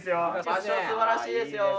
場所すばらしいですよ。